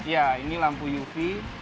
ya ini lampu uv